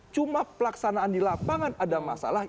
cuma pelaksanaan di lapangan ada masalah